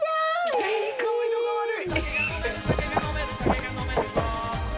全員顔色が悪い。